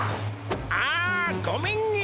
ああごめんね